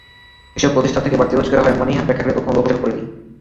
এসব প্রতিষ্ঠান থেকে বাড়তি রোজগার হওয়ায় মনিহার প্রেক্ষাগৃহ কখনো লোকসানে পড়েনি।